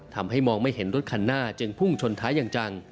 ทำให้มองไม่เห็นรถคันหน้าจึงพุ่งชนท้ายอย่างจัง